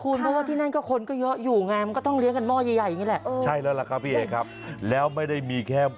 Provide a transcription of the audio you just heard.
ใครอยากกินคุณก็หยิบหยิบหยิบหยิบไปได้เลย